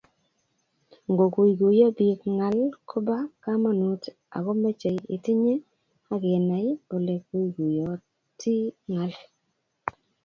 Ngoguiguiyo biik ngaal koba kamanuut agomeche itinyei akinai oleguiguiyoti ngal